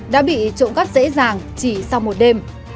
đã bị trộm cắt dễ dàng chỉ sau một đêm